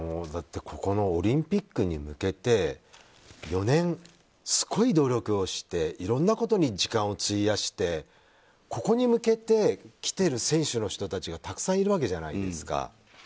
オリンピックに向けて４年、すごい努力をしていろんなことに時間を費やしてここに向けてきてる選手たちがたくさんいるわけじゃないですか。